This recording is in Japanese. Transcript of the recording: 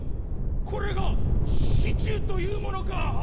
これがシチューというものかあ。